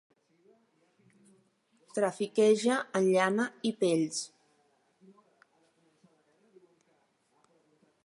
Trafiqueja en llana i pells.